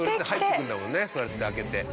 そうやって開けて。